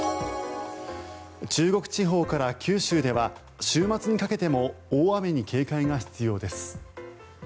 中国地方から九州では週末にかけても大雨に警戒が必要です。